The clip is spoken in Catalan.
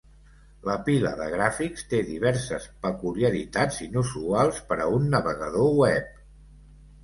La pila de gràfics té diverses peculiaritats inusuals per a un navegador web.